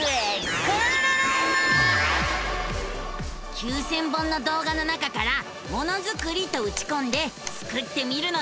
９，０００本の動画の中から「ものづくり」とうちこんでスクってみるのさ！